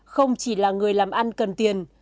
không chỉ là người làm ăn cần tiền